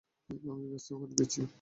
আমি ব্যবস্থা করে দিচ্ছি।